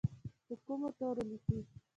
په کومو تورو لیکي؟